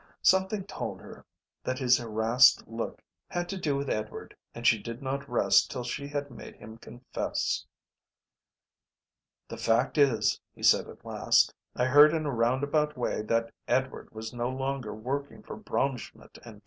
Something told her that his harassed look had to do with Edward and she did not rest till she had made him confess. "The fact is," he said at last, "I heard in a round about way that Edward was no longer working for Braunschmidt and Co.